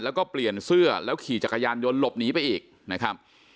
แล้วก็เปลี่ยนเสื้อแล้วขี่จักรยานยนต์หลบหนีไปอีกนะครับ